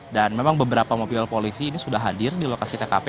dan memang beberapa mobil polisi ini sudah hadir di lokasi tkp